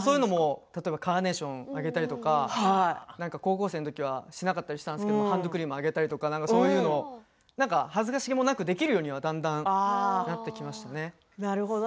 カーネーションをあげたりとか、高校生のときはしなかったりしたんですけどハンドクリームをあげたりとかそういうの、恥ずかしげもなくできるようにはだんだんなってきましたね。